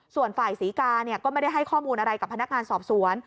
ส่วนฝ่ายศรีกาก็ไม่ได้ให้ข้อมูลอะไรกับพนักงานสอบสวน